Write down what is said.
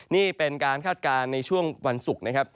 นี่เป็นการคาดการณ์ในช่วงวันศุกร์นะครับ